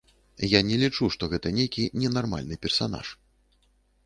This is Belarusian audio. Я не лічу, што гэта нейкі ненармальны персанаж.